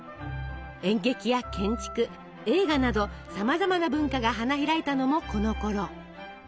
演劇や建築映画などさまざまな文化が花開いたのもこのころ。